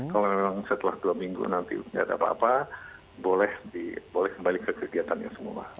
kalau memang setelah dua minggu nanti tidak ada apa apa boleh kembali ke kegiatannya semua